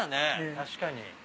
確かに。